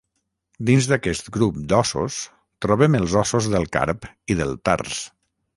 Dins d'aquest grup d'ossos trobem els ossos del carp i del tars.